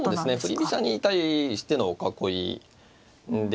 振り飛車に対しての囲いでですね